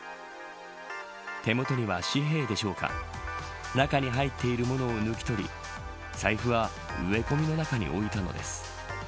手元には、紙幣でしょうか中に入っているものを抜き取り財布は植え込みの中に置いたのです。